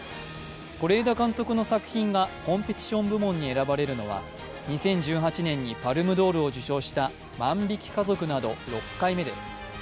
是枝監督の作品がコンペティション部門に選ばれるのは、２０１８年にパルムドールを受賞した「万引き家族」など６回目です。